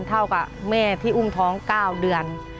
เท่ากับแม่พี่อุ้มท้อง๙เดือน